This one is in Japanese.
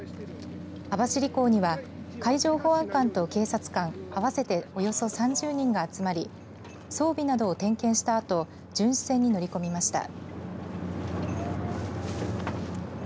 網走港には海上保安官と警察官、合わせておよそ３０人が集まり装備などを点検したあと巡視船に乗り込みました。